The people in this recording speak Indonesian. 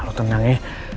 lu tenang ya